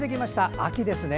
秋ですね。